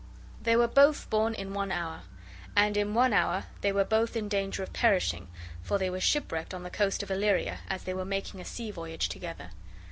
They were both born in one hour, and in one hour they were both in danger of perishing, for they were shipwrecked on the coast of Illyria, as they were making a sea voyage together.